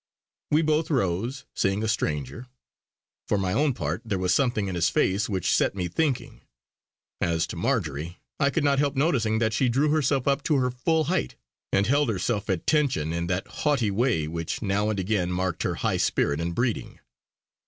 We both rose, seeing a stranger. For my own part there was something in his face which set me thinking; as to Marjory I could not help noticing that she drew herself up to her full height, and held herself at tension in that haughty way which now and again marked her high spirit and breeding.